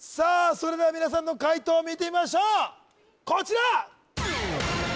それでは皆さんの解答を見てみましょうこちら！